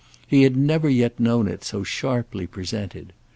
He had never yet known it so sharply presented.